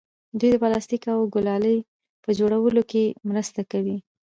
دوی د پلاستیک او ګلالي په جوړولو کې مرسته کوي.